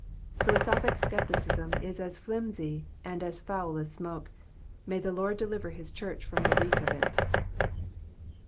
Philosophic scepticism is as flimsy and as foul as smoke ; may the Lord deliver his Church from the reek of it.